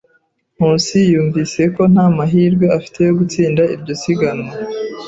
Nkusi yumvise ko nta mahirwe afite yo gutsinda iryo siganwa.